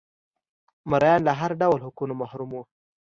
مریان له هر ډول حقونو محروم وو